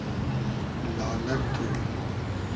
لالئگ تو